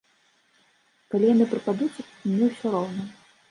Калі яны прападуць, мне ўсё роўна.